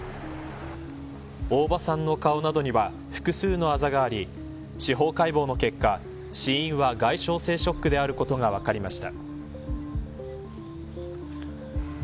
大場さんの顔などには複数のあざがあり司法解剖の結果死因は外傷性ショックであることが分かりました。